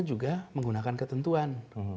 juga menggunakan ketentuan